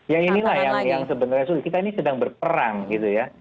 yang inilah yang sebenarnya sulit kita ini sedang berperang gitu ya